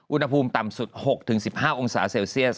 อุณหภูมิต่ำสุด๖๑๕องศาเซลเซียส